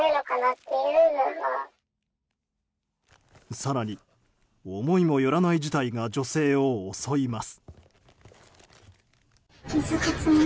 更に思いもよらない事態が女性を襲います。